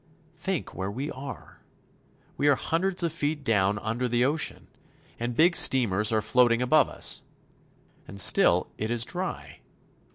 Think where we are! We are hundreds of feet down under the ocean, and big steamers are floating above us. And still it is dry.